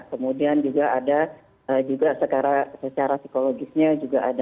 kemudian juga ada juga secara psikologisnya juga ada